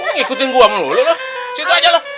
ngikutin gua mulu mulu cek itu aja lu